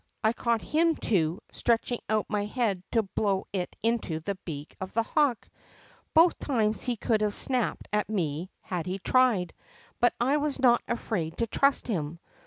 I caught him, too, stretching out my head to blow it into the beak of the hawk. Both times he could have snapped at me had he tried, but I was not afraid to trust him.